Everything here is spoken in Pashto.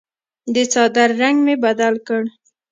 د څادر رنګ مې بدل کړ.